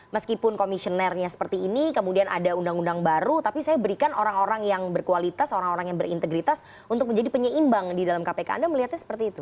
meskipun komisionernya seperti ini kemudian ada undang undang baru tapi saya berikan orang orang yang berkualitas orang orang yang berintegritas untuk menjadi penyeimbang di dalam kpk anda melihatnya seperti itu